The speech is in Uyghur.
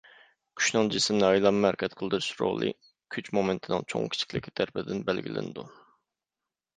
كۈچنىڭ جىسىمنى ئايلانما ھەرىكەت قىلدۇرۇش رولى كۈچ مومېنتىنىڭ چوڭ-كىچىكلىكى تەرىپىدىن بەلگىلىنىدۇ.